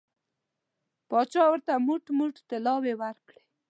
پاچا ورته موټ موټ طلاوې ورکوي.